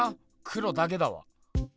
黒だけだわ。